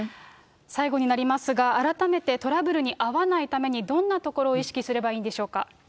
最後になりますが、改めてトラブルに遭わないために、どんなところを意識すればいいんでしょうか。